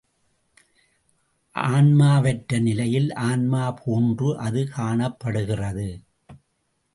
ஆன்மாவற்ற நிலையில் ஆன்மா போன்று அது காணப்படுகிறது.